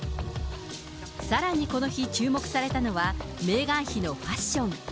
さらにこの日注目されたのは、メーガン妃のファッション。